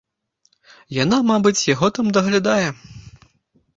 Яна, мабыць, яго там даглядае.